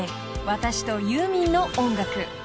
私とユーミンの音楽］